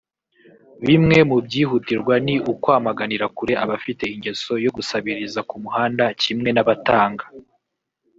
bimwe mu byihutirwa ni ukwamaganira kure abafite ingeso yo gusabiriza ku muhanda kimwe n’abatanga